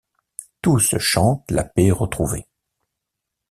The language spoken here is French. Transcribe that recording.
Tous chantent la paix retrouvée.